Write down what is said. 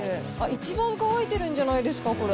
一番乾いてるんじゃないですか、これ。